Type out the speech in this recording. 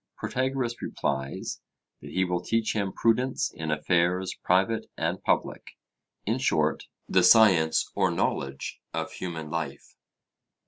Protagoras replies, 'That he will teach him prudence in affairs private and public; in short, the science or knowledge of human life.'